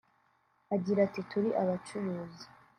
Agira ati “Turi abacuruzi